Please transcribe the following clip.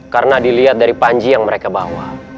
karena dilihat dari panji yang mereka bawa